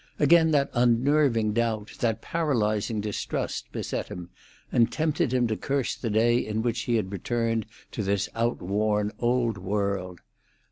Again that unnerving doubt, that paralysing distrust, beset him, and tempted him to curse the day in which he had returned to this outworn Old World.